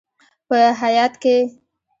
په هیات کې: